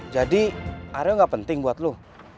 jadi aryo nggak penting buat lu